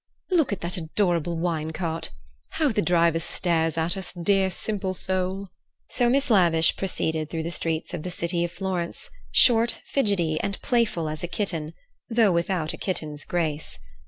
"Look at that adorable wine cart! How the driver stares at us, dear, simple soul!" So Miss Lavish proceeded through the streets of the city of Florence, short, fidgety, and playful as a kitten, though without a kitten's grace.